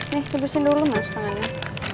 nih tubuh sini dulu mas tangannya